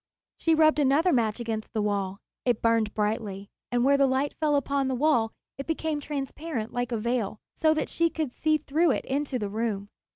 She rubbed another match against the wall. It burned brightly, and where the light fell upon the wall it became transparent like a veil, so that she could see through it into the room.